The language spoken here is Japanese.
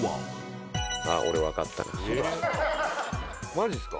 マジっすか？